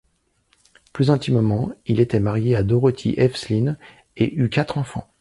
Plus intimement, il était marié à Dorothy Evslin et eut quatre enfants.